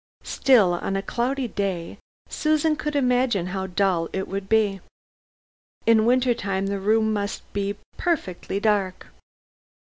Still, on a cloudy day, Susan could imagine how dull it would be. In winter time the room must be perfectly dark.